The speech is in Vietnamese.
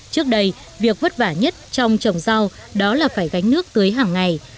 trước đây việc vất vả nhất trong trồng rau đó là phải gánh nước tưới hàng ngày